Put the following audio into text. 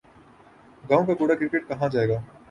گاؤں کا کوڑا کرکٹ کہاں جائے گا۔